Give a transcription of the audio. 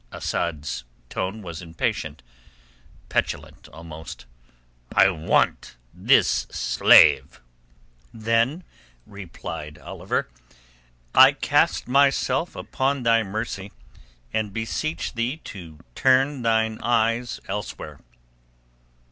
Asad's tone was impatient, petulant almost. "I want this slave." "Then," replied Oliver, "I cast myself upon thy mercy and beseech thee to turn thine eyes elsewhere."